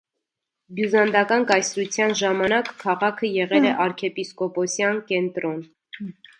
Բյուզանդական կայսրության ժամանակ քաղաքը եղել է արքեպիսկոպոսյան կենտրոն։